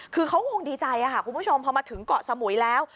คือเขาคงดีใจค่ะคุณผู้ชมพอมาถึงเกาะสมุยแล้ว